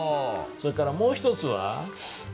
それからもう一つは？